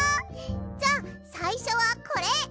じゃさいしょはこれ！